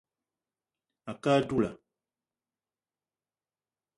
A kə á dula